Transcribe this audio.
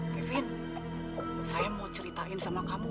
kevin saya mau ceritain sama kamu